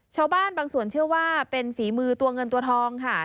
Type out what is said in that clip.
ชาวบ้านบางส่วนเชื่อว่าเป็นฝีมือตัวเงินตัวทองค่ะ